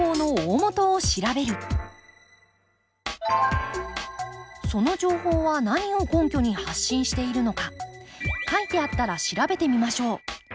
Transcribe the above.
その３その情報は何を根拠に発信しているのか書いてあったら調べてみましょう。